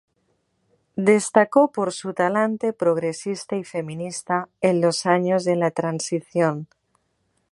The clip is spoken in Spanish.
Destacó por su talante progresista y feminista en los años de la Transición.